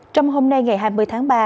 trong hôm nay ngày hai mươi tháng ba